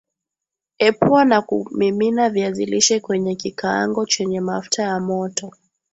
Epua na kumimina viazi lishe kwenye kikaango chenye mafuta ya moto